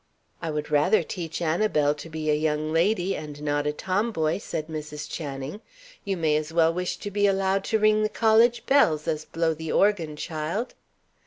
"I would rather teach Annabel to be a young lady, and not a tomboy," said Mrs. Channing. "You may as well wish to be allowed to ring the college bells, as blow the organ, child."